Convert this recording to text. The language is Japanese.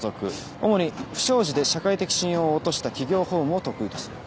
主に不祥事で社会的信用を落とした企業法務を得意とする。